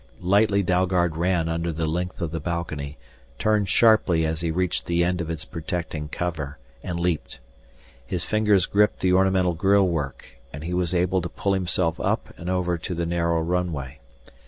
Lightly Dalgard ran under the length of the balcony, turned sharply as he reached the end of its protecting cover, and leaped. His fingers gripped the ornamental grillwork, and he was able to pull himself up and over to the narrow runway.